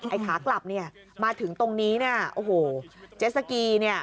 ไอ้ขากลับเนี่ยมาถึงตรงนี้เนี่ยโอ้โหเจสสกีเนี่ย